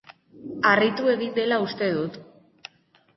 Harritu egin dela uste dut.